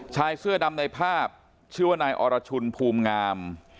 ชายเสื้อดำในภาพชื่อว่านายอรชุนภูมิงาม